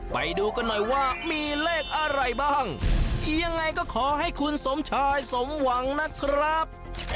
ไปดูกันหน่อยว่ามีเลขอะไรบ้างยังไงก็ขอให้คุณสมชายสมหวังนะครับ